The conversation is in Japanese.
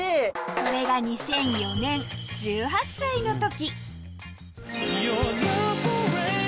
それが２００４年１８歳の時